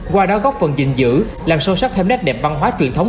qua đó góp phần gìn giữ làm sâu sắc thêm nét đẹp văn hóa truyền thống